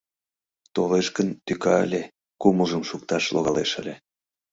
Толеш гын, тӱка ыле, кумылжым шукташ логалеш ыле...